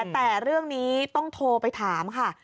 แต่เรื่องนี้ต้องโทรไปถามค่ะ